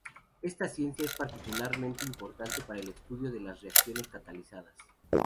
Esta ciencia es particularmente importante para el estudio de las reacciones catalizadas.